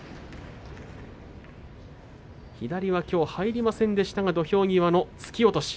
左はきょうは入りませんでした土俵際の突き落とし。